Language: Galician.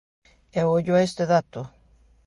E ollo a este dato.